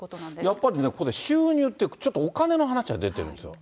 やっぱりね、ここで収入っていう、お金の話が出てるんですよ。